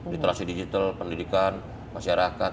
literasi digital pendidikan masyarakat